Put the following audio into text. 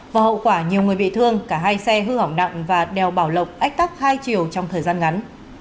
và hậu quả nhiều người bị thương cả hai xe hư hỏng nặng và đèo bảo lộc ách tắc hai chiều trong thời gian ngắn